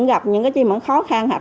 gặp những cái gì mà khó khăn